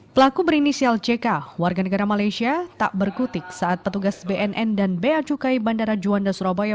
pelaku berinisial ck warga negara malaysia tak berkutik saat petugas bnn dan bacukai bandara juanda surabaya